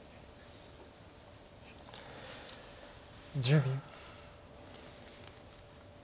１０秒。